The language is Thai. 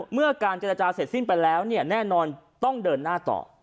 เมื่อการเจรจาเสร็จสิ้นไปแล้วเนี่ยแน่นอนต้องเดินหน้าต่อ